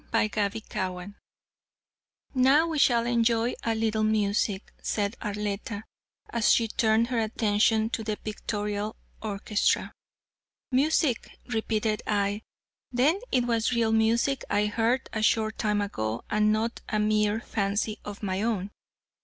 CHAPTER XVI "Now we shall enjoy a little music," said Arletta, as she turned her attention to the pictorial orchestra. "Music," repeated I, "then it was real music I heard a short time ago and not a mere fancy of my own."